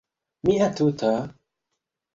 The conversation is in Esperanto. Mia tuta...